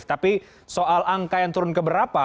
tapi soal angka yang turun ke berapa